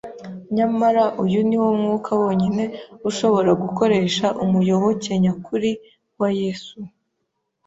Nyamara uyu ni wo mwuka wonyine ushobora gukoresha umuyoboke nyakuri wa Yesu.